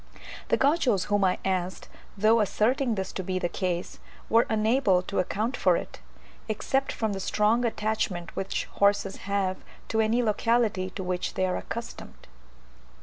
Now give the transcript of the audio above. The Gauchos whom I asked, though asserting this to be the case, were unable to account for it, except from the strong attachment which horses have to any locality to which they are accustomed.